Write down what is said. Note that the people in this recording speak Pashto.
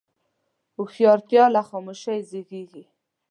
هوښیارتیا له خاموشۍ زیږېږي.